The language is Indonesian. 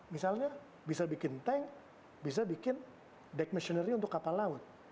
misalnya bisa bikin tank bisa bikin deck missionary untuk kapal laut